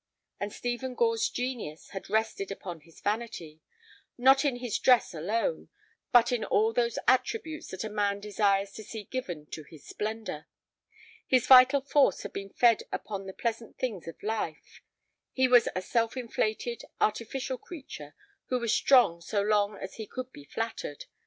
And Stephen Gore's genius had rested upon his vanity, not in his dress alone, but in all those attributes that a man desires to see given to his splendor. His vital force had been fed upon the pleasant things of life; he was a self inflated, artificial creature, who was strong so long as he could be flattered.